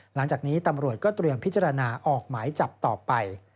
หลังจากนี้ตำรวจก็เตรียมพิจารณาออกหมายจับต่อไป